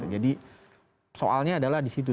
soalnya adalah di situ